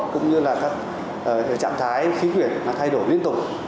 cũng như là các trạng thái khí huyệt thay đổi liên tục